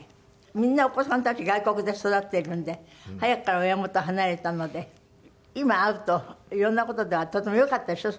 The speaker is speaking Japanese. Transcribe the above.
みんなお子さんたち外国で育ってるんで早くから親元を離れたので今会うと色んな事ではとてもよかったでしょ？